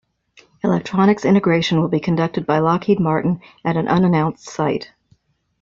Electronics integration will be conducted by Lockheed Martin at an unannounced site.